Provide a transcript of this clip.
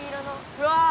うわ！